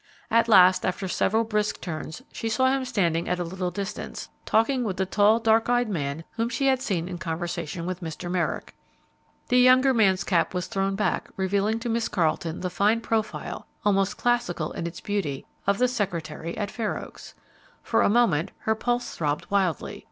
At last, after several brisk turns, she saw him standing at a little distance, talking with the tall, dark eyed man whom she had seen in conversation with Mr. Merrick. The younger man's cap was thrown back, revealing to Miss Carleton the fine profile, almost classical in its beauty, of the secretary at Fair Oaks. For a moment her pulse throbbed wildly.